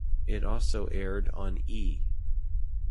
It also aired on E!